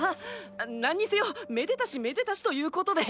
なんにせよめでたしめでたしということで。